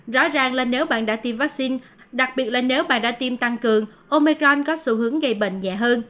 rõ ràng là nếu bạn đã tiêm vaccine đặc biệt là nếu bạn đã tiêm tăng cường omegram có xu hướng gây bệnh nhẹ hơn